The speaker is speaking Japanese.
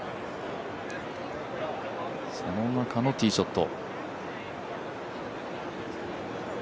その中のティーショット。